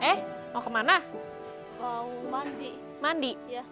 jadi aku angkat posted macron menurut misalnya di channel maupinar